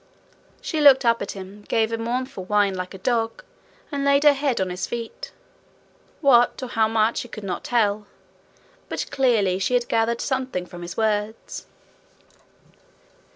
She looked up at him, gave a mournful whine like a dog, and laid her head on his feet. What or how much he could not tell, but clearly she had gathered something from his words.